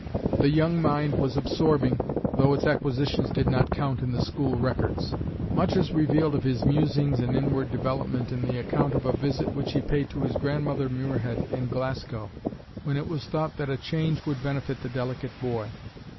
The young mind was absorbing, though its acquisitions did not count in the school records. Much is revealed of his musings and inward development in the account of a visit which he paid to his grandmother Muirhead in Glasgow, when it was thought that a change would benefit the delicate boy.